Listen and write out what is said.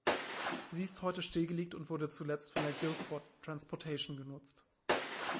Sie ist heute stillgelegt und wurde zuletzt von der Guilford Transportation genutzt.